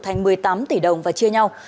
thành một mươi tám tỷ đồng và chia nhau